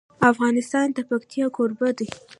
افغانستان د پکتیکا کوربه دی.